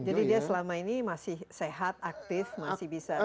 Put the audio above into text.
jadi dia selama ini masih sehat aktif masih bisa